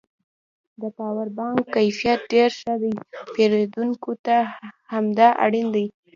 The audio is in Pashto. د پاور بانک کیفیت ډېر ښه دی پېرودونکو ته همدا اړین دی